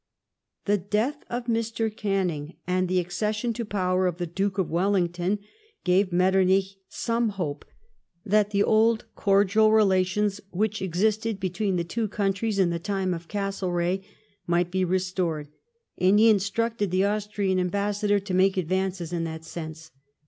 The death of Mr. Canning, and the accession to power of the Duke of Wellington, gave Metternich some hope that the old cordial relations which existed between tlie two countries in the time of Castlereagh might be restored, and he instructed the Austrian Ambassador to make advances in that sense.